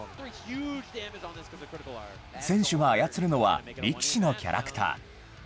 選手が操るのは、力士のキャラクター。